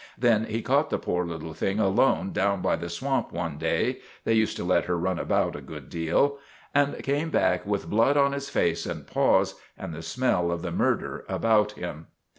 Then he caught the poor little thing alone down by the swamp one day they used to let her run about a good deal and came back with blood on his face and paws, and the smell of the murder about him.